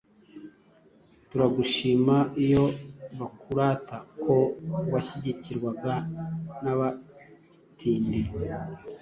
Turagushima iyo bakurata Ko washyikirwaga n'abatindi !